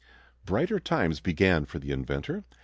Brighter times began for the inventor.